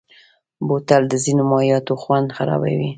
بوتل د ځینو مایعاتو خوند خرابوي.